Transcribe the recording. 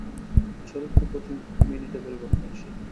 শরীর তো প্রতি মিনিটে পরিবর্তনশীল।